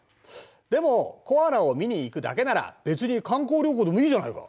でもコアラを見に行くだけなら別に観光旅行でもいいじゃないか。